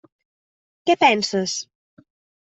Què penses?